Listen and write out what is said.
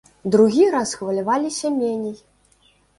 Другі раз хваляваліся меней.